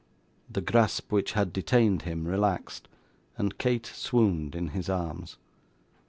The grasp which had detained him relaxed, and Kate swooned in his arms.